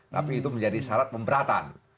tapi itu menjadi syarat pemberatan